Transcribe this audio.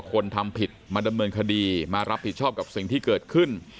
คนทำผิดมาดำเนินคดีมารับผิดชอบกับสิ่งที่เกิดขึ้น